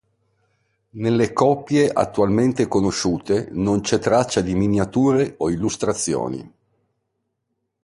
Nelle copie attualmente conosciute non c'è traccia di miniature o illustrazioni.